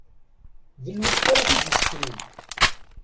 D lweqt ara t-id-iseknen.